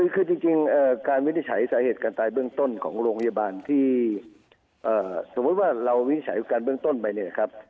คือจริงการวินิจฉัยสาเหตุการตายเบื้องต้นของโรงพยาบาลที่สมมุติว่าเราวินิจฉัยการเบื้องต้นไปเนี่ยนะครับ